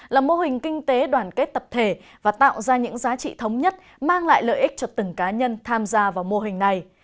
là mô hình kinh tế đoàn kết tập thể và tạo ra những giá trị thống nhất mang lại lợi ích cho từng cá nhân tham gia vào mô hình này